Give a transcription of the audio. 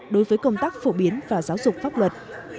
đối với công tác phổ biến và giáo dục pháp luật